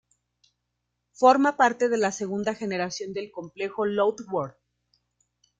Forma parte de la segunda generación del complejo Lotte World.